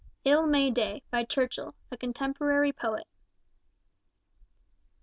Ill May Day, by Churchill, a Contemporary Poet.